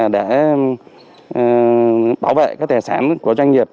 để bảo vệ tài sản của doanh nghiệp